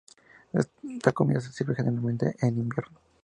Esta comida se sirve generalmente en invierno.